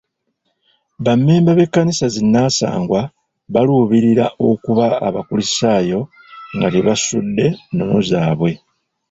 Bammemba b'ekkanisa zi nnansangwa baluubirira okuba abakulisitaayo nga tebasudde nnono zaabwe.